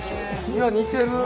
いや似てる！